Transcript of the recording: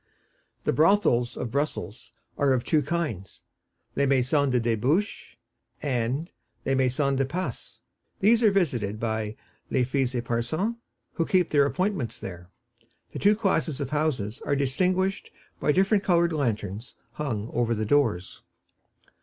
The brothels of Brussels are of two kinds: les maisons de debauché and les maisons de passe; these are visited by les filles éparses, who keep their appointments there. The two classes of houses are distinguished by different colored lanterns hung over the doors.